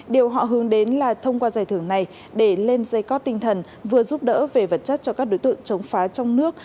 điều họ hướng đến là thông qua giải thưởng này để lên dây có tinh thần vừa giúp đỡ về vật chất cho các đối tượng chống phá trong nước